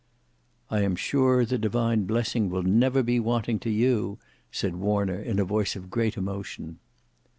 "I am sure the divine blessing will never be wanting to you," said Warner in a voice of great emotion.